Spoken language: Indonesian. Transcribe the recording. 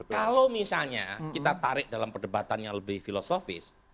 kalau misalnya kita tarik dalam perdebatan yang lebih filosofis